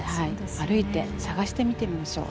歩いて探してみてみましょう。